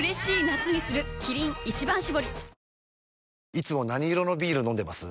いつも何色のビール飲んでます？